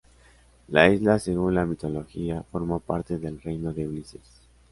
La isla según la mitología formó parte del reino de Ulises.